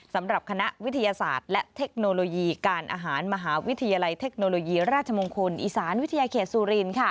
สำหรับคณะวิทยาศาสตร์และเทคโนโลยีการอาหารมหาวิทยาลัยเทคโนโลยีราชมงคลอีสานวิทยาเขตสุริน